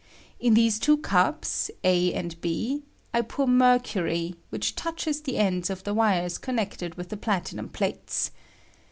In these two cups (a and b) I pour mercury, which touches the ends of the wires connected with the platinum plates.